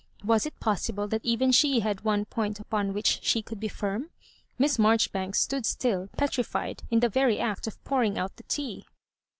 Was it 'possible that even she had one point upon which she could be firm? Miss Marjoribanks stood still, petrified, in the very act of pouring out the tea.